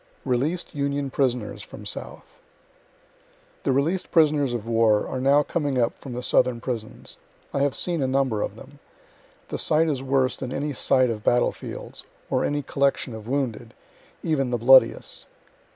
RELEAS'D UNION PRISONERS FROM SOUTH The releas'd prisoners of war are now coming up from the southern prisons. I have seen a number of them. The sight is worse than any sight of battle fields, or any collection of wounded, even the bloodiest.